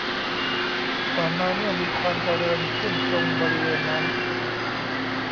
ต่อมาเมื่อมีความเจริญขึ้นตรงบริเวณนั้น